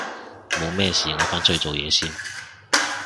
冇咩事我返出去做嘢先